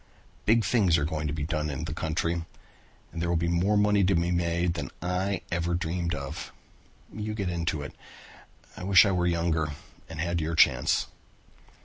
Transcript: Big things are going to be done in the country and there will be more money to be made than I ever dreamed of. You get into it. I wish I were younger and had your chance."